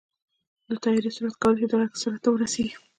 د طیارې سرعت کولی شي د غږ سرعت ته ورسېږي.